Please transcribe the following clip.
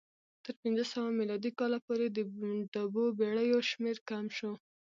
تر پنځه سوه میلادي کاله پورې د ډوبو بېړیو شمېر کم شو